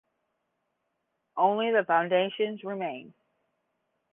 Only the foundations remained.